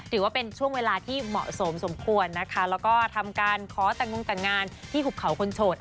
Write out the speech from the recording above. ถือว่าเป็นช่วงเวลาที่เหมาะสมสมควรนะคะแล้วก็ทำการขอแต่งงแต่งงานที่หุบเขาคนโฉด